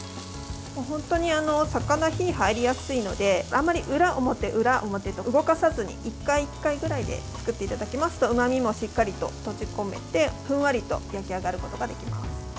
本当に魚、火が入りやすいのであまり裏表、裏表と動かさずに１回、１回ぐらいで作っていただきますとうまみも、しっかりと閉じ込めてふんわりと焼き上がることができます。